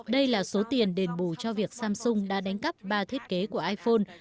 đây là số tiền đền bù cho việc samsung đã đánh cắp ba thiết kế của iphone